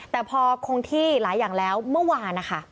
แต่พอคงที่หลายอย่างแล้วเมื่อวานนะคะ